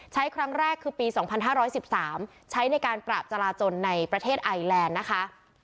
ใช้ครั้งแรกคือปี๒๕๑๓ใช้ในการปราบจราจนในประเทศไอแลนด์นะคะ